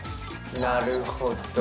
なるほど。